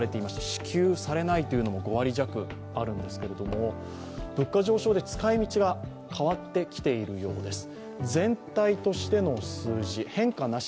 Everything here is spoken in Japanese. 支給されないというのも５割弱あるんですけれども物価上昇で使い道が変わってきているようです。